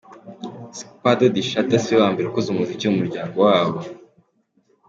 Skpado Di Shatta siwe wa mbere ukoze umuziki mu muryango wabo.